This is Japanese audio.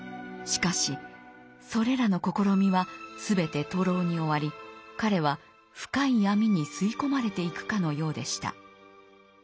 しかしそれらの試みは全て徒労に終わり彼は深い闇に吸い込まれていくかのようでした。